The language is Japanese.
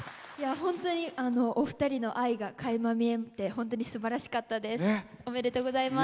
本当にお二人の愛がかいま見えて本当にすばらしかったです。